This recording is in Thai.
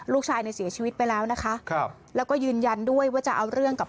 ลูกชายเนี่ยเสียชีวิตไปแล้วนะคะครับแล้วก็ยืนยันด้วยว่าจะเอาเรื่องกับ